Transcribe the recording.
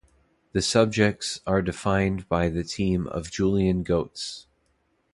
The subjects are defined by the team of Julien Goetz.